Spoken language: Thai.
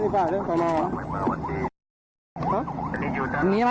เมื่อเวลาเมื่อเวลาเมื่อเวลาเมื่อเวลาเมื่อเวลา